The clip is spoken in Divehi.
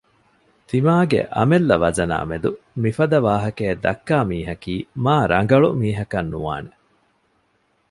ތިމާގެ އަމިއްލަ ވަޒަނާމެދު މިފަދަ ވާހަކައެއް ދައްކާ މީހަކީ މާ ރަނގަޅު މީހަކަށް ނުވާނެ